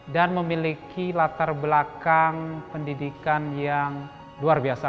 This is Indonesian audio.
dan memiliki latar belakang pendidikan yang luar biasa